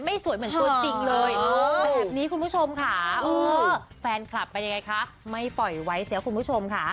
ไม่สวยเหมือนตัวจริงเลยแบบนี้คุณผู้ชมค่ะวันนี้แฟนคลับไม่ไหวเหรอคุณผู้ชมค่ะ